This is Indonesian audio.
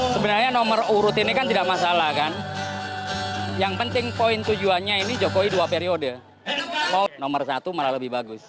sebenarnya nomor urut ini kan tidak masalah kan yang penting poin tujuannya ini jokowi dua periode mau nomor satu malah lebih bagus